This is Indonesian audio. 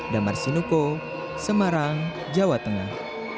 damar sinuko semarang jawa tengah